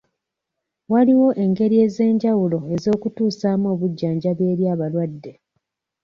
Waliwo engeri ez'enjawulo ez'okutusaamu obujjanjabi eri abalwadde.